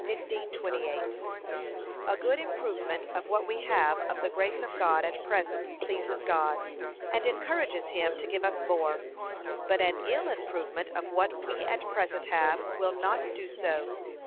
15:28) A good improvement of what we have of the grace of God at present pleases God, and engages him to give us more; but an ill improvement of what we at present have will not do so.